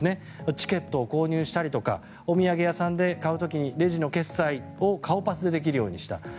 チケットを購入したりとかお土産屋さんで買う時にレジの決済を顔パスでできるようにした。